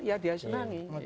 ya dia senangi